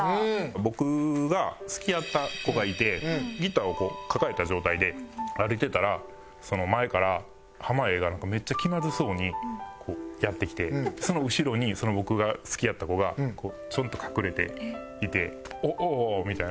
僕が好きやった子がいてギターをこう抱えた状態で歩いてたら前から濱家がめっちゃ気まずそうにやって来てその後ろに僕が好きやった子がチョンと隠れていて「おっおお」みたいな。